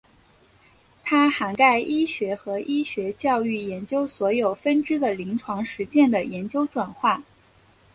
它涵盖医学和医学教育研究所有分支的临床实践的研究转化。